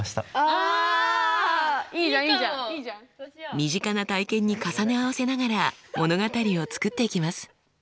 身近な体験に重ね合わせながら物語を作っていきます。